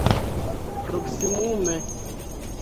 proksimume